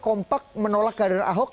kompak menolak kehadiran ahok